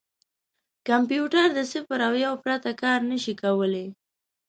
کمپیوټر د صفر او یو پرته کار نه شي کولای.